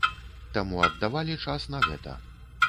Таму аддавалі час на гэта.